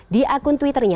di akun twitternya